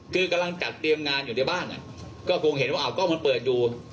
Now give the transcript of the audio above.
คือกำลังจัดเตรียมงานอยู่ในบ้านก็คงเห็นว่ากล้องมันเปิดอยู่